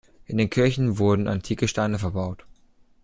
In den Kirchen wurden antike Steine verbaut.